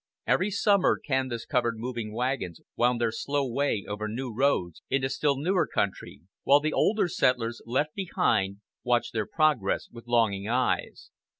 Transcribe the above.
Every summer canvas covered moving wagons wound their slow way over new roads into still newer country; while the older settlers, left behind, watched their progress with longing eyes.